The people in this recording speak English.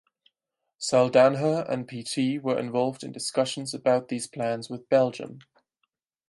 Saldanha and (pt) were involved in discussions about these plans with Belgium.